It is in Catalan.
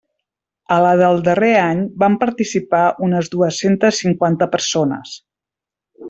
A la del darrer any van participar unes dues-centes cinquanta persones.